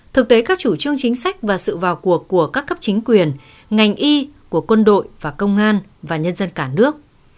thực tế các chủ trương chính sách và sự vào cuộc của các cấp chính quyền ngành y của quân đội và công an và nhân dân cả nước